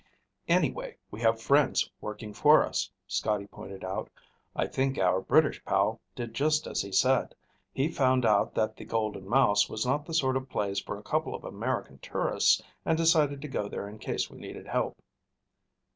"Anyway, we have friends working for us," Scotty pointed out. "I think our British pal did just as he said. He found out that the Golden Mouse was not the sort of place for a couple of American tourists and decided to go there in case we needed help."